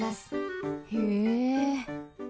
へえ。